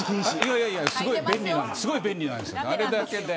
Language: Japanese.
すごい便利なんです。